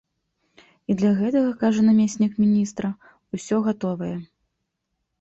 І для гэтага, кажа намеснік міністра, усё гатовае.